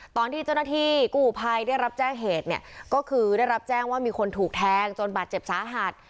ตอนที่เจ้าหน้าที่กู้ภัยได้รับแจ้งเหตุเนี่ยก็คือได้รับแจ้งว่ามีคนถูกแทงจนบาดเจ็บสาหัส